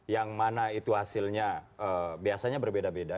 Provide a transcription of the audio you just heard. yang mana itu hasilnya biasanya berbeda beda